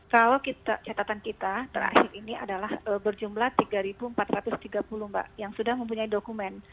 kalau catatan kita terakhir ini adalah berjumlah tiga empat ratus tiga puluh mbak yang sudah mempunyai dokumen